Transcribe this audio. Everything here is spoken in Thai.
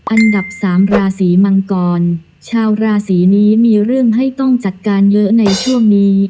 อันดับสามราศีมังกรชาวราศีนี้มีเรื่องให้ต้องจัดการเยอะในช่วงนี้